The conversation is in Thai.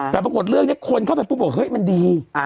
แต่ปรากฏเรื่องเนี่ยคนเขาบอกว่าเฮ้ยมันดี